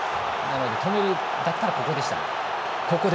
止めるんだったらここでした。